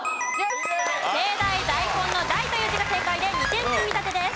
盛大大根の「大」という字が正解で２点積み立てです。